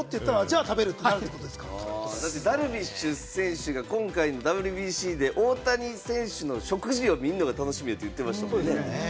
ダルビッシュ選手が今回のＷＢＣで大谷選手の食事を見るのが楽しみって言ってましたもんね。